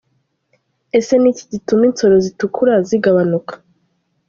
Ese ni iki gituma insoro zitukura zigabanuka?.